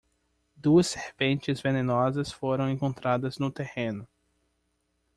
Duas serpentes venenosas foram encontradas no terreno